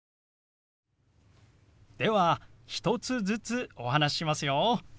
では１つずつお話ししますよ。